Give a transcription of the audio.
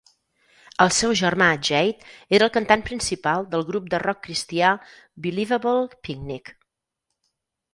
El seu germà Jade era el cantant principal del grup de rock cristià Believable Picnic.